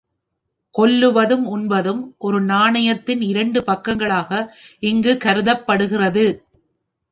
கொல்லுவதும் உண்பதும் ஒரு நாணயத்தின் இரண்டு பக்கங்களாக இங்குக் கருதப்படுகிறது.